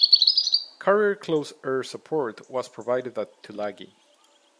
Carrier close air support was provided at Tulagi.